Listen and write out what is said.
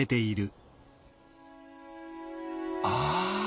ああ！